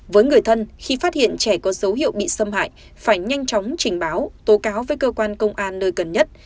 với người thân khi phát hiện trẻ có dấu hiệu bị xâm hại phải nhanh chóng trình báo tố cáo với cơ quan công an nơi gần nhất